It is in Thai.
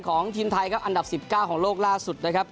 ของทีมไทยครับอันดับ๑๙ของโลกล่าสุดนะครับ